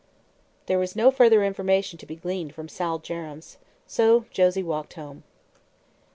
There was no further information to be gleaned from Sol Jerrems, so Josie walked home.